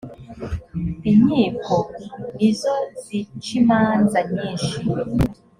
inkiko nizozicimanza nyinshi .